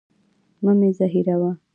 مه مي زهيروه.